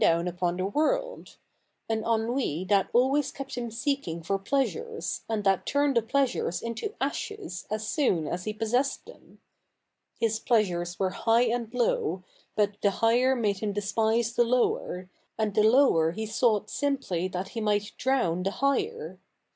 Ill] THE NEW REEL liEIC 107 upon the world — an ennui that always kept him seeking for pleasures, and that turned the pleasures into ashes as soon as he possessed them. His pleasures were high and low ; but the higher made him despise the lower ; and the lower he sought simply that he might drown the higher.